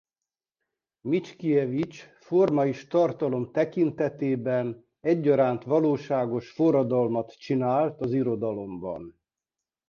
Mickiewicz forma és tartalom tekintetében egyaránt valóságos forradalmat csinált az irodalomban.